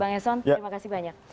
bang eson terima kasih banyak